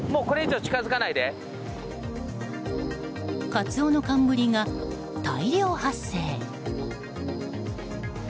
カツオノカンムリが大量発生。